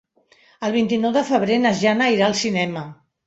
El vint-i-nou de febrer na Jana irà al cinema.